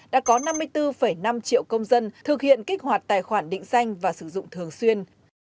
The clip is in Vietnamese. đã có năm mươi bốn năm triệu công dân thực hiện kích hoạt tài khoản định danh và sử dụng thường xuyên